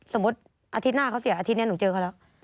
สมมุติอาทิตย์หน้าเขาเสียอาทิตย์นี้หนูเจอเขาแล้ว